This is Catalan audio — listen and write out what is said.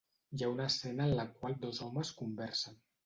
Hi ha una escena en la qual dos homes conversen.